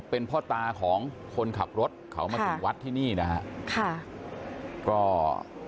เป็นพ่อตาของคนขับรถเขามาถึงวัดที่นี่นะฮะค่ะก็